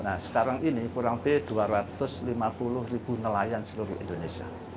nah sekarang ini kurang lebih dua ratus lima puluh ribu nelayan seluruh indonesia